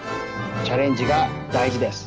チャレンジがだいじです。